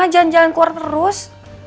jalan jalan keluar terus